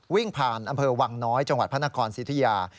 วิ่งผ่านอำเภอวังน้อยจังหวัดพระนครสิทธิยา